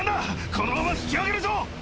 このまま引き上げるぞ！」